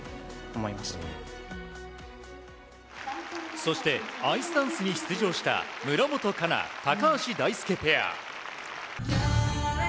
そしてアイスダンスに出場した村元哉中、高橋大輔ペア。